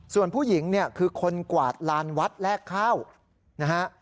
ส่วนผู้หญิงเนี่ยคือคนกวาดลานวัดแลกข้าวนะฮะ